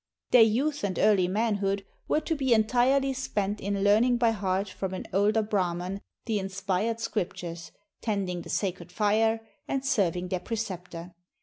Their youth and early manhood were to be entirely spent in learning by heart from an older Brah man the inspired scriptures, tending the sacred fire, and serving their preceptor.